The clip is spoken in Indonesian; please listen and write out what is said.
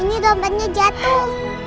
ini dompetnya jatuh